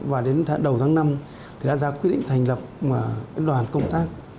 và đến đầu tháng năm thì đã ra quyết định thành lập đoàn công tác